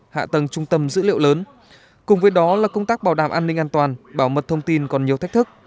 hạ tầng trung tâm dữ liệu lớn cùng với đó là công tác bảo đảm an ninh an toàn bảo mật thông tin còn nhiều thách thức